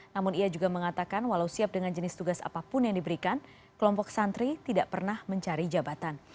namun ia juga mengatakan walau siap dengan jenis tugas apapun yang diberikan kelompok santri tidak pernah mencari jabatan